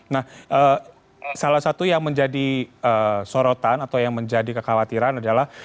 nah salah satu yang menjadi sorotan atau yang menjadi kekhawatiran adalah